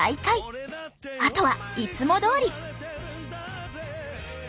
あとはいつもどおり。